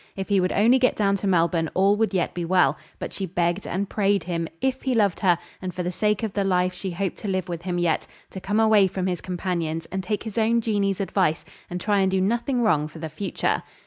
If he would only get down to Melbourne all would yet be well; but she begged and prayed him, if he loved her, and for the sake of the life she hoped to live with him yet, to come away from his companions and take his own Jeanie's advice, and try and do nothing wrong for the future.